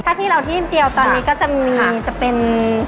ถ้าที่เราที่เดียวตอนนี้ก็จะมีจะเป็น